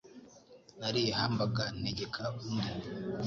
Nariye hamburger ntegeka undi.